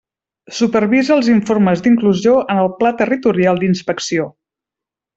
Supervisa els informes d'inclusió en el Pla territorial d'inspecció.